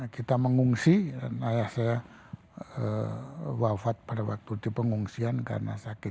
kita mengungsi dan ayah saya wafat pada waktu di pengungsian karena sakit